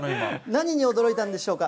何に驚いたんでしょうか。